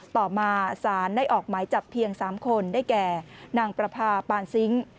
ต่อมาสารได้ออกหมายจับเพียง๓คนได้แก่นางประพาปานซิงค์